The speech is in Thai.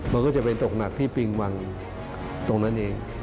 มันก็จะไปตกหนักที่ปิงวังตรงนั้นเอง